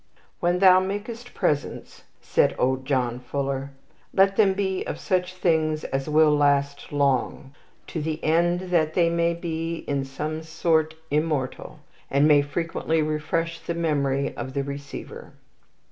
"When thou makest presents," said old John Fuller, "let them be of such things as will last long; to the end that they may be in some sort immortal, and may frequently refresh the memory of the receiver."